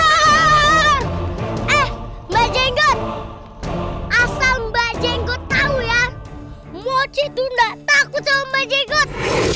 eh bajenggot asal mbak jenggot tahu ya mochi tuh enggak takut sama jenggot